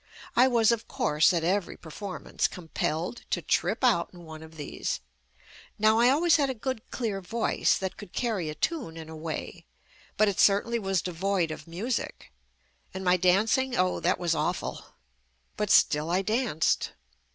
I was, of course, at every perform ance compelled to trip out in one of these. Now I always had a good clear voice that could carry a tune in a way, but it certainly was devoid of music, and my dancing — oh that was awful. But still I danced.